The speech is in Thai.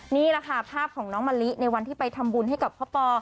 นี่แหละค่ะภาพของน้องมะลิในวันที่ไปทำบุญให้กับพ่อปอ